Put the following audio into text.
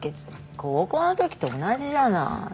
高校のときと同じじゃない。